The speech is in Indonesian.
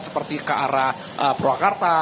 seperti ke arah purwakarta